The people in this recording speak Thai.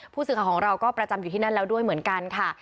ผู้สื่อข่าวของเราก็ประจำอยู่ที่นั่นแล้วด้วยเหมือนกันค่ะ